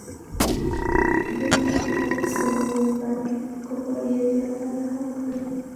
بیرته کافر سوی وو بلکه پر کفر یې زیادت هم کړی وو.